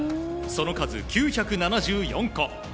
その数９７４個。